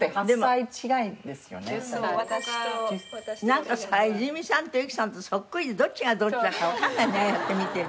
なんか泉さんと雪さんとそっくりでどっちがどっちだかわからないねああやって見てると。